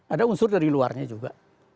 ada unsur dari luarnya juga